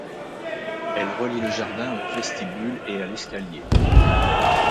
Elle relie le jardin au vestibule et à l'escalier.